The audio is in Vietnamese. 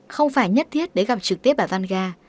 không phải nhất thiết để gặp trực tiếp bà vanga